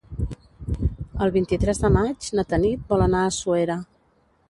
El vint-i-tres de maig na Tanit vol anar a Suera.